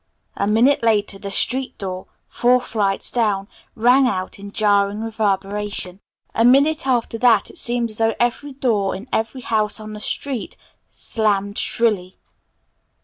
A minute later the street door, four flights down, rang out in jarring reverberation. A minute after that it seemed as though every door in every house on the street slammed shrilly.